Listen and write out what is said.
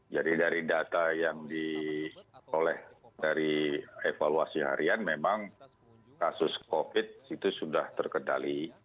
jadi dari data yang diolah dari evaluasi harian memang kasus covid itu sudah terketali